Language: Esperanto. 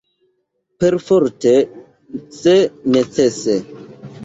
Perforte se necese.